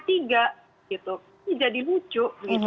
ini jadi lucu